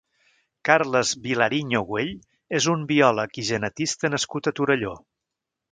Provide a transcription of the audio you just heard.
Carles Vilariño-Güell és un biòleg i genetista nascut a Torelló.